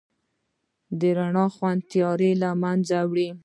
د رڼا خوند تیاره لمنځه وړي.